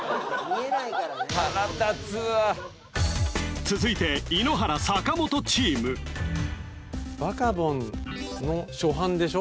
腹立つわ続いて井ノ原坂本チーム「バカボン」の初版でしょ？